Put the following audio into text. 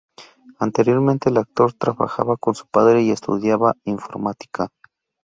Anteriormente el actor trabajaba con su padre y estudiaba informática.